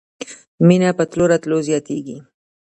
مینه په تلو راتلو زیاتیږي.